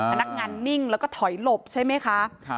พนักงานนิ่งแล้วก็ถอยหลบใช่ไหมคะ